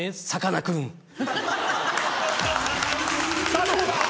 さあどうだ